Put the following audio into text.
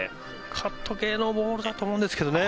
カット系のボールだと思うんですけどね。